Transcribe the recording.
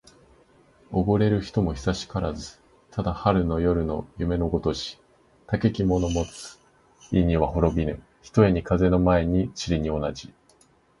おごれる人も久しからず。ただ春の夜の夢のごとし。たけき者もついには滅びぬ、ひとえに風の前の塵に同じ。